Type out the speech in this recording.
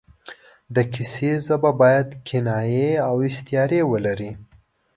د کیسې ژبه باید کنایې او استعارې ولري.